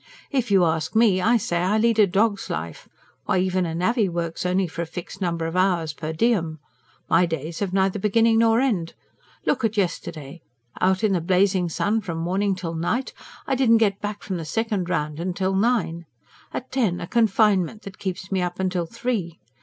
If you ask me, I say I lead a dog's life why, even a navvy works only for a fixed number of hours per diem! My days have neither beginning nor end. Look at yesterday! Out in the blazing sun from morning till night I didn't get back from the second round till nine. At ten a confinement that keeps me up till three.